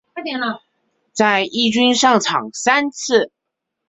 在一军上场三次。